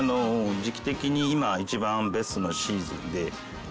時期的に今一番ベストなシーズンで。